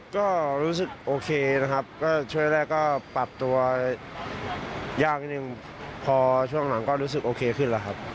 ก็รู้สึกโอเคนะครับก็ช่วงแรกก็ปรับตัวยากนิดนึงพอช่วงหลังก็รู้สึกโอเคขึ้นแล้วครับ